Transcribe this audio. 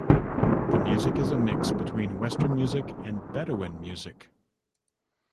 This music is a mix between Western music and Bedouin music.